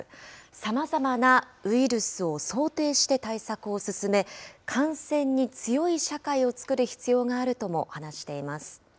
さまざまなウイルスを想定して対策を進め、感染に強い社会を作る必要があるとも話しています。